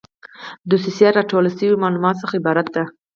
دوسیه له راټول شویو معلوماتو څخه عبارت ده.